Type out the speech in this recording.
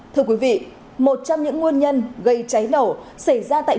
thưa quý vị một trong những nguồn nhân gây cháy nổ xảy ra tại nhiều công trình